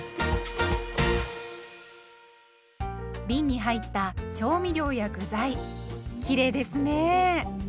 びんに入った調味料や具材きれいですね。